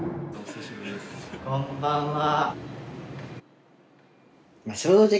こんばんは。